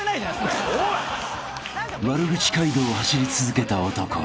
［悪口街道を走り続けた男］